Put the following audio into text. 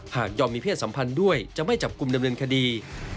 หากยอมมีเพศสัมพันธ์ด้วยจะไม่จับกลุ่มดำเนินคดี